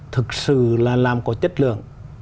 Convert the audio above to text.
thực sự là làm có chất lượng